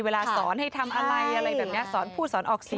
เวลาสอนให้ทำอะไรอะไรแบบนี้สอนผู้สอนออกเสียง